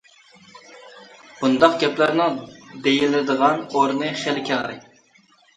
بۇنداق گەپلەرنىڭ دېيىلىدىغان ئورنى خېلى كەڭرى.